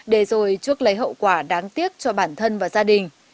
để rồi chuất lấy hậu quả đáng tiếc cho bản thân và gia đình